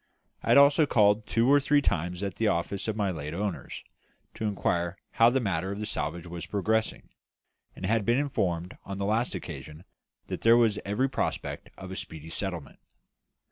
I had also called two or three times at the office of my late owners, to inquire how the matter of the salvage was progressing, and had been informed on the last occasion that there was every prospect of a speedy settlement.